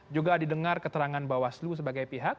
juga didengar keterangan bawaslu sebagai pihak